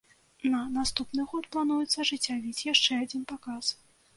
На наступны год плануецца ажыццявіць яшчэ адзін паказ.